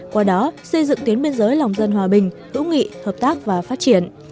qua đó xây dựng tuyến biên giới lòng dân hòa bình hữu nghị hợp tác và phát triển